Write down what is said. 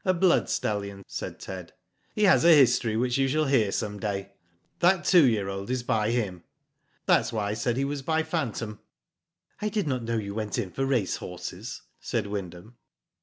" A blood stallion," said Ted. " He has a history which you shall hear some day. That two Digitized byGoogk So WHO DID ITf year old is by him. That's why I said he was by Phantom.'' "I did not know you went in for racehorses," said Wyndham.